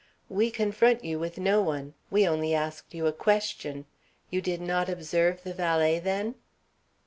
"We confront you with no one. We only asked you a question. You did not observe the valet, then?"